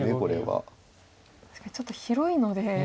確かにちょっと広いので。